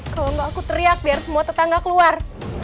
kalau nggak aku teriak biar semua tetangga keluar